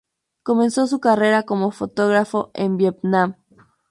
Comenzó su carrera como fotógrafo en Vietnam.